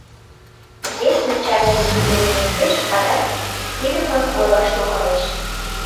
Вес начальник дек миен лектеш. — адак тидымак ойлаш логалеш.